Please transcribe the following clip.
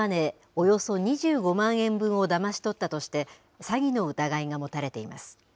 およそ２５万円分をだまし取ったとして、詐欺の疑いが持たれています。